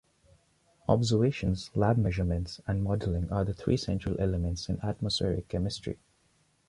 Observations, lab measurements, and modeling are the three central elements in atmospheric chemistry.